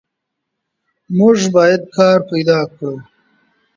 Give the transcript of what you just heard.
موږ باید کار پیدا کړو.